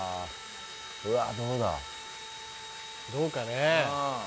うわっどうだどうかね